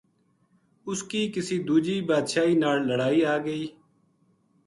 اس کی کسی دو جی بادشاہی ناڑ لڑائی آ گئی